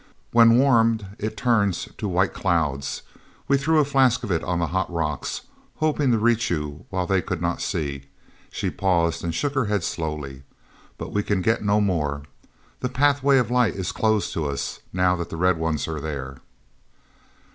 When warmed it turns to white clouds. We threw a flask of it on the hot rocks, hoping to reach you while they could not see."—she paused and shook her head slowly—"but we can get no more. The Pathway of Light is closed to us, now that the Red Ones are there."